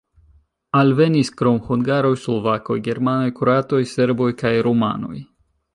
Alvenis krom hungaroj slovakoj, germanoj, kroatoj, serboj kaj rumanoj.